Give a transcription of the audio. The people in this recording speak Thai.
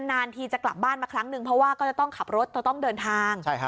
นานทีจะกลับบ้านมาครั้งนึงเพราะว่าก็จะต้องขับรถจะต้องเดินทาง